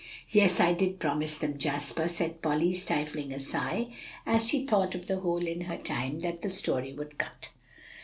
"Yes, I did promise them, Jasper," said Polly, stifling a sigh, as she thought of the hole in her time that the story would cut.